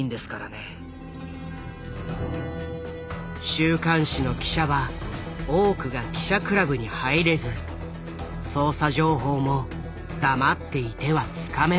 週刊誌の記者は多くが記者クラブに入れず捜査情報も黙っていてはつかめない。